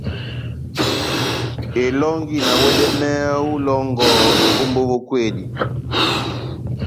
Elɔ́ngi na wɛdɛmɛhɛ ó ilɔ́ngɔ vómbo vó kwedi.